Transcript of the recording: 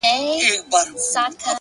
نیکي د وخت په حافظه کې ژوندۍ وي.!